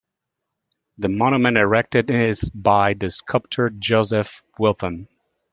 The monument erected is by the sculptor Joseph Wilton.